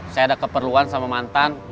saya ada keperluan sama mantan